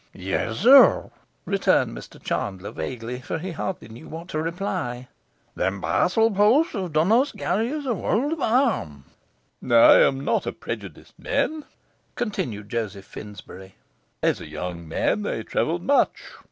'Yes, sir,' returned Mr Chandler vaguely, for he hardly knew what to reply; 'them parcels posts has done us carriers a world of harm.' 'I am not a prejudiced man,' continued Joseph Finsbury. 'As a young man I travelled much.